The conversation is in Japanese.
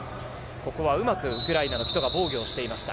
ここはうまくウクライナのキトが防御しました。